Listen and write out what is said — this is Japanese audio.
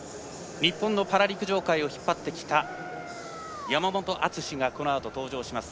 日本のパラ陸上界を引っ張ってきた山本篤がこのあと登場します。